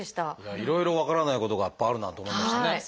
いろいろ分からないことがやっぱあるなと思いましたね。